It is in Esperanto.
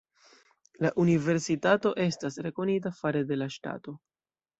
La universitato estas rekonita fare de la ŝtato.